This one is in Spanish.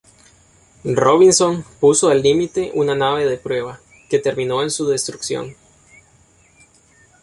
Robinson puso al límite una nave de prueba, que terminó en su destrucción.